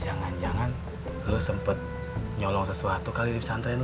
jangan jangan lo sempat nyolong sesuatu kali di pesantren lo